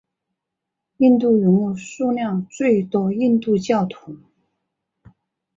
印度拥有数量最多印度教徒。